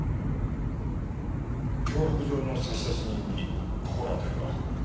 脅迫状の差出人に心当たりは？